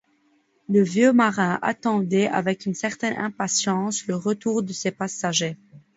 Le vieux marin attendait avec une certaine impatience le retour de ses passagers.